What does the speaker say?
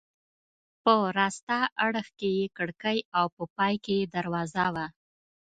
په راسته اړخ کې یې کړکۍ او په پای کې یې دروازه وه.